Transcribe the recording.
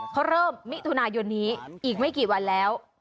เขาเริ่มมิถุนายนนี้อีกไม่กี่วันแล้ว